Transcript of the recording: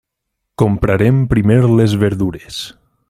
Comprarem primer les verdures.